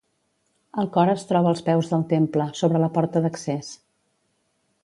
El cor es troba als peus del temple, sobre la porta d'accés.